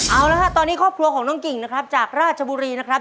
เอาละฮะตอนนี้ครอบครัวของน้องกิ่งนะครับจากราชบุรีนะครับ